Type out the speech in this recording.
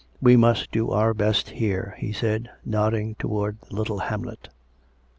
" We must do our best here," he said, nodding towards the little hamlet.